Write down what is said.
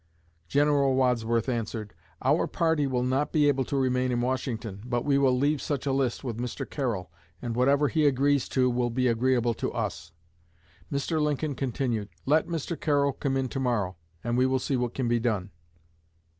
General Wadsworth answered: 'Our party will not be able to remain in Washington, but we will leave such a list with Mr. Carroll, and whatever he agrees to will be agreeable to us.' Mr. Lincoln continued, 'Let Mr. Carroll come in to morrow, and we will see what can be done.'"